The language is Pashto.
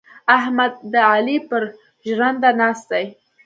احمد د علي پر ژرنده ناست دی.